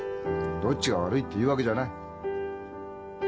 どっちが悪いっていうわけじゃない。